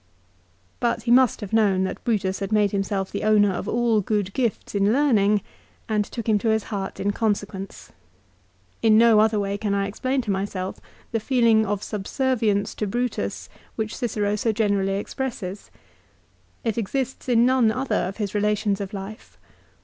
But he must have known that Brutus had made himself the owner of all good gifts in learning, and took him to his heart in consequence. In no other way can I explain to myself the feeling of subservience to Brutus which Cicero so generally expresses. It exists in none other of his relations of life.